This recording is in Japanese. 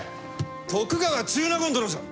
徳川中納言殿じゃ！